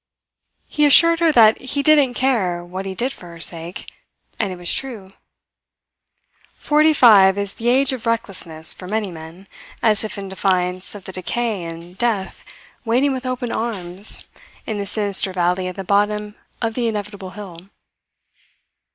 He assured her that he didn't care what he did for her sake; and it was true. Forty five is the age of recklessness for many men, as if in defiance of the decay and death waiting with open arms in the sinister valley at the bottom of the inevitable hill.